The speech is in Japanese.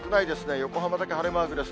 横浜だけ晴れマークです。